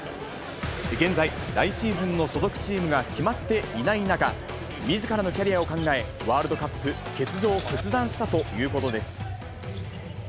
現在、来シーズンの所属チームが決まっていない中、みずからのキャリアを考え、ワールドカップ欠場を決断したということです。